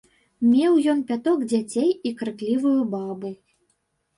Меў ён пяток дзяцей і крыклівую бабу.